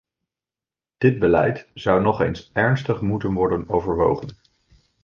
Dit beleid zou nog eens ernstig moeten worden overwogen.